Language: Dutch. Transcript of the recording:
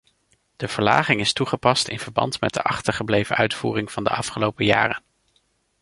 De verlaging is toegepast in verband met de achtergebleven uitvoering van de afgelopen jaren.